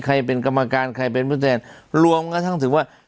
เป็นกรรมการใครเป็นผู้แทนรวมกระทั่งถือว่า